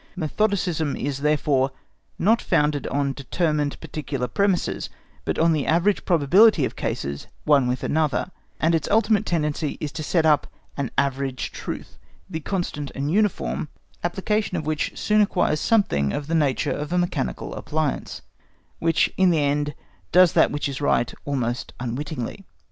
Methodicism is therefore not founded on determined particular premises, but on the average probability of cases one with another; and its ultimate tendency is to set up an average truth, the constant and uniform, application of which soon acquires something of the nature of a mechanical appliance, which in the end does that which is right almost unwittingly.